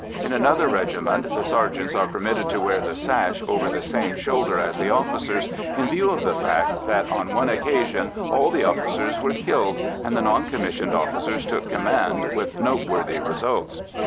In another regiment, the sergeants are permitted to wear the sash over the same shoulder as the officers, in view of the fact that on one occasion all the officers were killed, and the non commissioned officers took command, with noteworthy results.